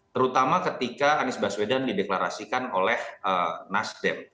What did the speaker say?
terutama ketika anies baswedan dideklarasikan oleh nasdem